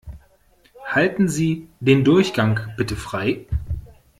Halten Sie den Durchgang bitte frei!